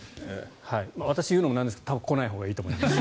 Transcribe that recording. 私が言うのもなんですが来ないほうがいいと思います。